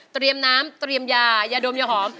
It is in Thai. เตรียมน้ำเตรียมยายาดมยาหอม